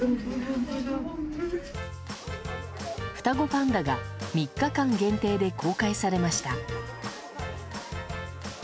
双子パンダが３日間限定で公開されました。